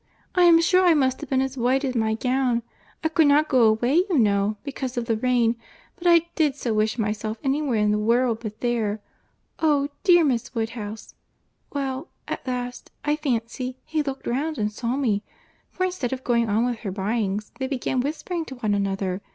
I am sure I must have been as white as my gown. I could not go away you know, because of the rain; but I did so wish myself anywhere in the world but there.—Oh! dear, Miss Woodhouse—well, at last, I fancy, he looked round and saw me; for instead of going on with her buyings, they began whispering to one another.